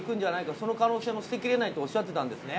その可能性も捨てきれないと言っていたんですね。